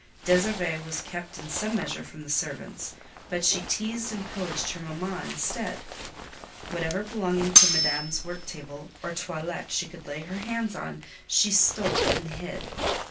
Désirée was kept in some measure from the servants, but she teased and pillaged her mamma instead. Whatever belonging to Madame's work table or toilet she could lay her hands on, she stole and hid.